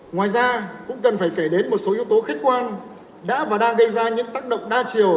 ngoài ra cũng cần phải kể đến một số yếu tố khách quan đã và đang gây ra những tác động đa chiều